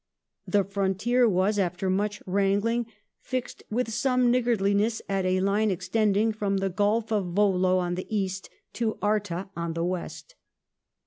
The frontier was, after much wrangling, fixed with some niggardliness at a line extending from the Gulf of Volo on the east, to Arta on the west.